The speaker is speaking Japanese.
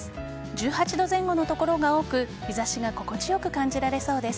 １８度前後の所が多く日差しが心地よく感じられそうです。